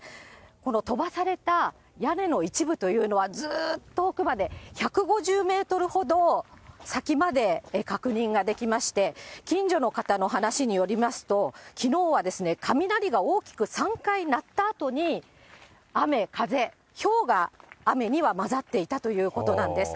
この飛ばされた屋根の一部というのは、ずっと奥まで、１５０メートルほど先まで確認ができまして、近所の方の話によりますと、きのうは雷が大きく３回鳴ったあとに、雨、風、ひょうが、雨にはまざっていたということなんです。